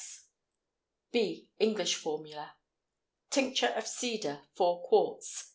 B. ENGLISH FORMULA. Tincture of cedar 4 qts.